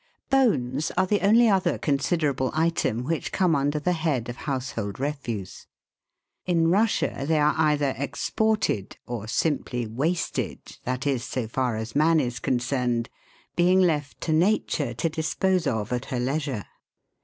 Bones are the only other considerable item which come under the head of " household refuse." In Russia they are either exported or simply " wasted," that is so far as man is concerned, being left to Nature to dispose of at her leisure.